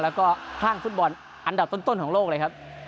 แล้วก็คลั่งฟุตบอลอันดับต้นของโลกเลยครับ